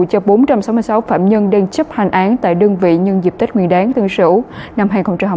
cho bốn trăm sáu mươi sáu phạm nhân đang chấp hành án tại đơn vị nhân dịp tích nguyên đáng tương sửu năm hai nghìn hai mươi một